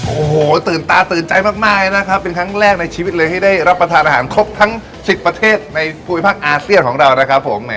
โอ้โหตื่นตาตื่นใจมากนะครับเป็นครั้งแรกในชีวิตเลยให้ได้รับประทานอาหารครบทั้ง๑๐ประเทศในภูมิภาคอาเซียนของเรานะครับผม